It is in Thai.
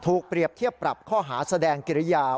ถูกเปรียบเทียบปรับข้อหาแสดงเกรียร์